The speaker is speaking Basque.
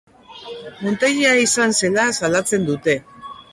Muntaia izan zela salatzen dute.